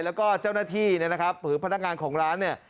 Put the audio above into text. แล้วก็เจ้าหน้าที่เนี่ยนะครับหรือพนักงานของร้านเนี่ย